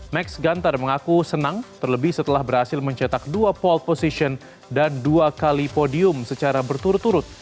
max gunter mengaku senang terlebih setelah berhasil mencetak dua pole position dan dua kali podium secara berturut turut